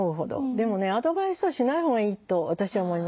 でもねアドバイスはしないほうがいいと私は思います。